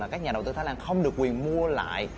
các nhà đầu tư thái lan không được quyền mua lại